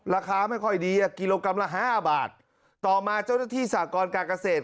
ราคาไม่ค่อยดีอ่ะกิโลกรัมละห้าบาทต่อมาเจ้าหน้าที่สากรการเกษตร